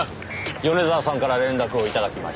米沢さんから連絡を頂きまして。